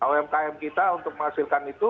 umkm kita untuk menghasilkan itu